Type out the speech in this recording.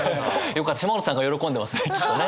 島本さんが喜んでますねきっとね。